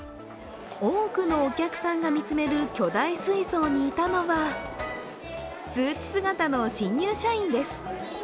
多くのお客さんが見つめる巨大水槽にいたのはスーツ姿の新入社員です。